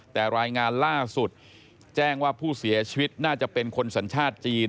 แต่รายงานล่าสุดแจ้งว่าผู้เสียชีวิตน่าจะเป็นคนสัญชาติจีน